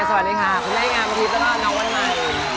สวัสดีค่ะคุณแม่งามทิพย์แล้วก็น้องวันใหม่